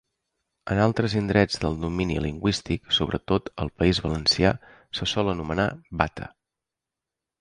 En altres indrets del domini lingüístic, sobretot al País Valencià, se sol anomenar bata.